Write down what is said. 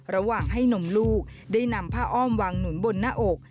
ระหว่างให้นมลูกได้นำผ้าอ้อมวางหนุนบนหน้าอก